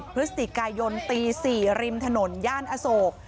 พฤศจิกายนตี๔ริมถนนย่านอโศก